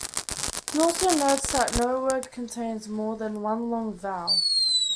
He also notes that no word contains more than one long vowel.